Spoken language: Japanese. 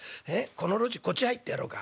この路地こっち入ってやろうか。